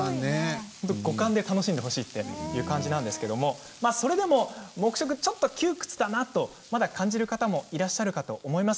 五感で楽しんでほしいという感じなんですけれどもそれでも黙食は窮屈だなと感じる方もいらっしゃると思います。